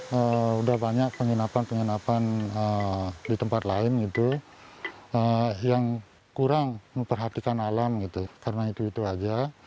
sudah banyak penginapan penginapan di tempat lain yang kurang memperhatikan alam karena itu saja